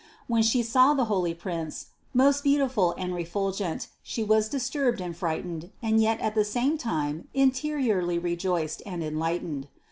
When she saw the holy prince, most beautiful and refulgent, she was disturbed and frightened and yet at the same time interiorly rejoiced and enlightened.